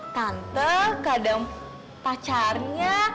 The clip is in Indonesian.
tante kadang pacarnya